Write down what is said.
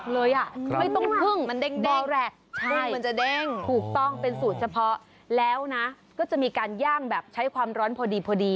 แล้วนะก็จะมีการย่างใช้ความร้อนพอดี